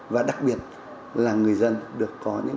và đặc biệt là người dân được có những